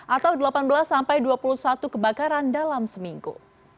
atau delapan belas sampai dua puluh satu kebakaran dalam seminggu